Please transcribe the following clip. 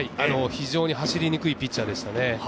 非常に走りにくいピッチャーでしたね。